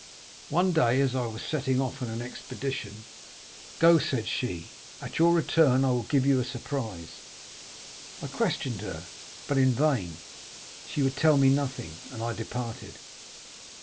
One day as I was setting off on an expedition, 'Go,' said she; 'at your return I will give you a surprise.' I questioned her, but in vain; she would tell me nothing, and I departed.